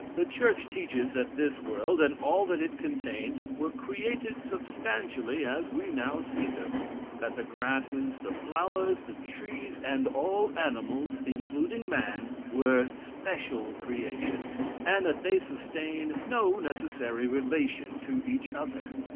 The Church teaches that this world, and all that it contains, were created substantially as we now see them, that the grasses, the flowers, the trees, and all animals, including man, were special creations, and that they sustain no necessary relation to each other.